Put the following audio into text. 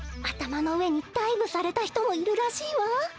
あたまのうえにダイブされたひともいるらしいわ。